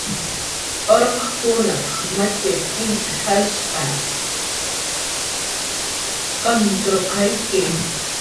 Urqkunaq matxir int jalsh kanturqayawi